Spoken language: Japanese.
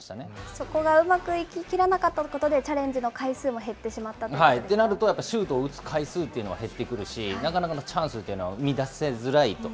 そこがうまくいき切らなかったことで、チャレンジの回数も減ってなると、やっぱりシュートを打つ回数というのは減ってくるし、なかなかチャンスっていうのは生み出せづらいと。